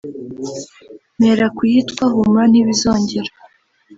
mpera ku yitwa "Humura ntibizongera"